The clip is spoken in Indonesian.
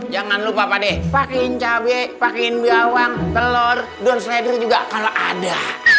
jangan lupa pak de pakain cabai pakain bawang telur doang seledri juga kalau ada